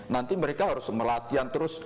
nanti mereka harus melatih terus